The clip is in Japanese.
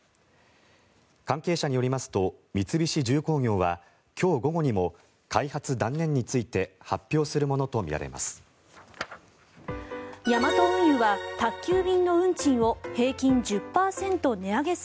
関係者によりますと三菱重工業は今日午後にも開発断念について発表するものとみられます。